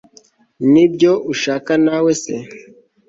nibyo ushaka nawe se